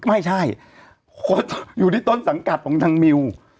ไม่ใช่เพราะว่าอยู่ที่ต้นสังกัดของทางมิว